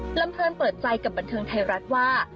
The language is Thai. ลำเพลินเปิดใจกับบันเทิงไทยรัฐว่า